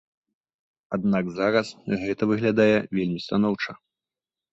Аднак зараз гэта выглядае вельмі станоўча.